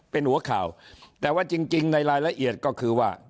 เป็นหัวข่าวแต่ว่าจริงในรายละเอียดก็คือว่า